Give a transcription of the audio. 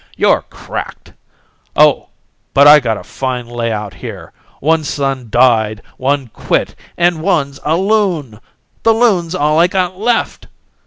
You're cracked! Oh, but I got a fine layout here! One son died, one quit, and one's a loon! The loon's all I got left!